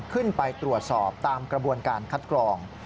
ขึ้นไปตรวจสอบตามกระบวนการคัดกรอง